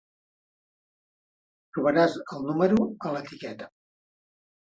Trobaràs el número a l'etiqueta.